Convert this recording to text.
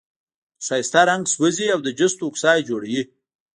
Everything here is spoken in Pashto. په ښایسته رنګ سوزي او د جستو اکسایډ جوړوي.